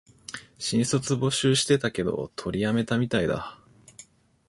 新卒募集してたけど、取りやめたみたいだ